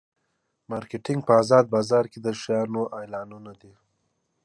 مارکیټینګ په ازاد بازار کې د شیانو اعلانول دي.